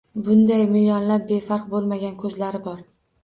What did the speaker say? Bunday, millionlab befarq bo‘lmagan ko‘zlari bor